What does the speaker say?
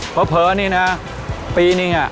เพราะเผอนี่นะปีนี้